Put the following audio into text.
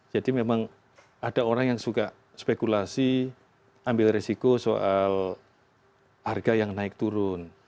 memang ada orang yang suka spekulasi ambil risiko soal harga yang naik turun